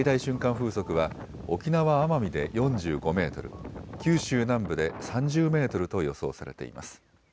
風速は沖縄・奄美で４５メートル、九州南部で３０メートルと予想されています。